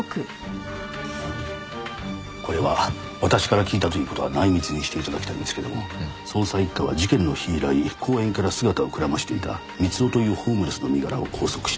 これは私から聞いたという事は内密にして頂きたいんですけども捜査一課は事件の日以来公園から姿をくらましていたミツオというホームレスの身柄を拘束したそうです。